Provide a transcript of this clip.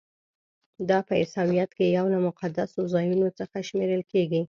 دا په عیسویت کې یو له مقدسو ځایونو څخه شمیرل کیږي.